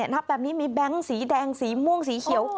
นับแบบนี้มีแบงค์สีแดงสีม่วงสีเขียว